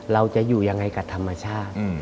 เราจะอยู่ยังไงกับธรรมชาติ